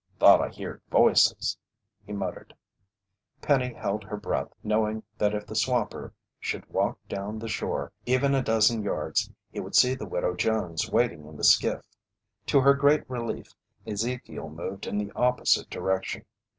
"Thought I heerd voices," he muttered. Penny held her breath, knowing that if the swamper should walk down the shore even a dozen yards, he would see the Widow Jones waiting in the skiff. To her great relief, Ezekiel moved in the opposite direction.